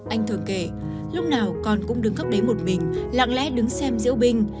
anh thượng kể lúc nào con cũng đứng gấp đấy một mình lạng lẽ đứng xem giữ binh